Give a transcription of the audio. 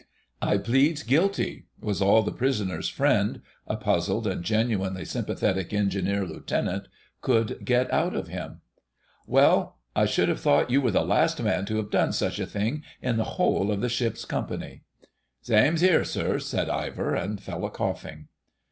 "I pleads guilty," was all the prisoner's friend (a puzzled and genuinely sympathetic Engineer Lieutenant) could get out of him. "Well, I should have thought you were the last man to have done such a thing in the whole of the ship's company." "Same 'ere, sir," said Ivor, and fell a coughing.